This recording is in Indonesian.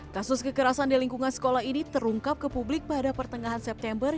kasus kekerasan di lingkungan sekolah ini terungkap ke publik pada pertengahan september